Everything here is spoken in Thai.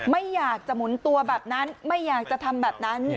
ไม่อยากจะหมุนตัวแบบนั้นไม่อยากจะทำแบบนั้น